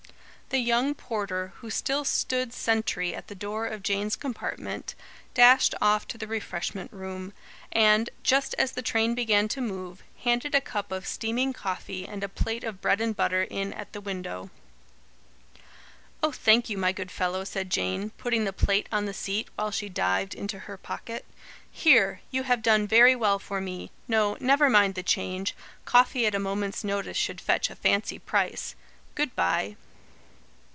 The young porter, who still stood sentry at the door of Jane's compartment, dashed off to the refreshment room; and, just as the train began to move, handed a cup of steaming coffee and a plate of bread and butter in at the window. "Oh, thank you, my good fellow," said Jane, putting the plate on the seat, while she dived into her pocket. "Here! you have done very well for me. No, never mind the change. Coffee at a moment's notice should fetch a fancy price. Good bye."